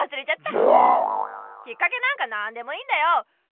ズコーッ！きっかけなんか何でもいいんだよ。